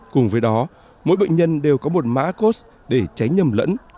cùng với đó mỗi bệnh nhân đều có một mã cos để tránh nhầm lẫn